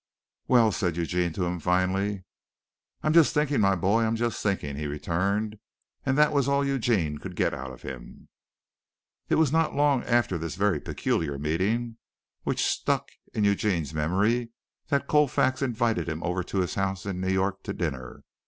"Well?" said Eugene to him finally. "I'm just thinking, my boy! I'm just thinking!" he returned, and that was all Eugene could get out of him. It was not long after this very peculiar meeting which stuck in Eugene's memory that Colfax invited him over to his house in New York to dinner.